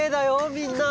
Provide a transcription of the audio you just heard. みんな！